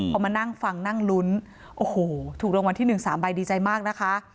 พอมานั่งฟังนั่งลุ้นโอ้โหถูกรางวัลที่๑๓ใบดีใจมากนะคะ